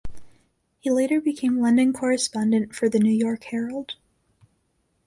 He later became London correspondent for "The New York Herald".